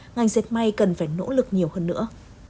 ngành diệt may cần phải nỗ lực nhiều hơn nữa